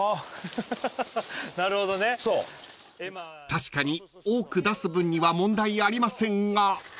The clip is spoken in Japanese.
［確かに多く出す分には問題ありませんが］